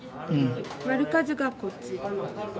割る数がこっち。